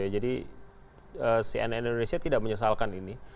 jadi cnn indonesia tidak menyesalkan ini